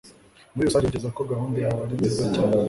Muri rusange, ntekereza ko gahunda yawe ari nziza cyane